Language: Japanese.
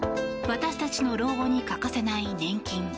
私たちの老後に欠かせない年金。